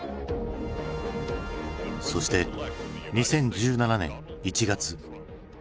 そして２０１７年１月。